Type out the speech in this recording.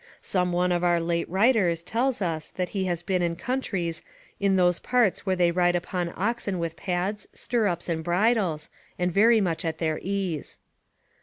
Some one of our late writers tells us that he has been in countries in those parts where they ride upon oxen with pads, stirrups, and bridles, and very much at their ease.